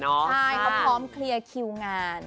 ใช่เขาพร้อมเคลียร์คิวงาน